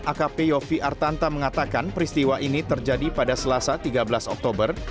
akp yofi artanta mengatakan peristiwa ini terjadi pada selasa tiga belas oktober